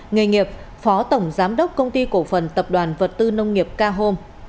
nghề nghiệp phó tổng giám đốc công ty cổ phần tập đoàn vật tư nông nghiệp k home